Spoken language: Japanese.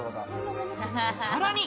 さらに。